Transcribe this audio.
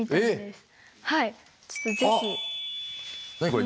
これ。